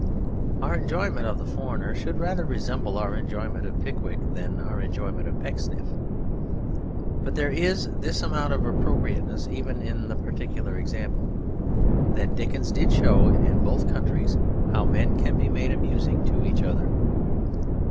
Our enjoyment of the foreigner should rather resemble our enjoyment of Pickwick than our enjoyment of Pecksniff. But there is this amount of appropriateness even in the particular example; that Dickens did show in both countries how men can be made amusing to each other.